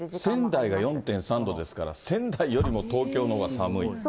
仙台が４．３度ですから、仙台よりも東京のほうが寒い。